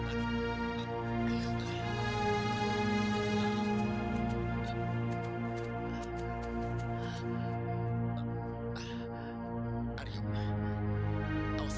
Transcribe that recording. kita pulang aja ya mas